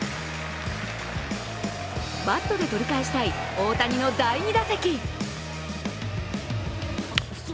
バットで取り返したい大谷の第２打席。